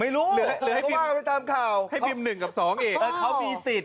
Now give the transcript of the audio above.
ไม่รู้หรือให้ปริม๑กับ๒อีก